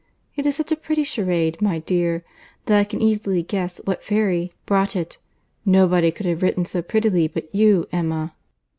It is such a pretty charade, my dear, that I can easily guess what fairy brought it.—Nobody could have written so prettily, but you, Emma."